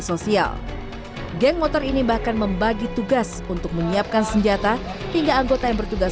sosial geng motor ini bahkan membagi tugas untuk menyiapkan senjata hingga anggota yang bertugas